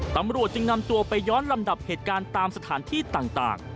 ตำรวจจึงนำตัวไปย้อนลำดับเหตุการณ์ตามสถานที่ต่าง